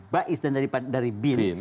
ba'is dan dari bin